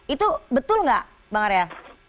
itu betul nggak bang arya